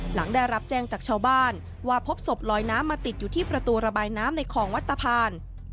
หลังได้รับแจ้งจากชาวบ้านว่าพบศพลอยน้ำมาติดอยู่ที่ประตูระบายน้ำในคลองวัดตะพาน